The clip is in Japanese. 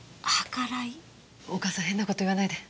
お母さん変な事言わないで。